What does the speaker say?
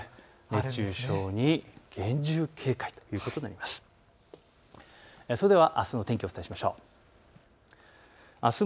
熱中症に厳重警戒ということになります。